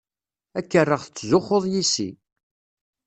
Ad k-rreɣ tettzuxxuḍ yess-i.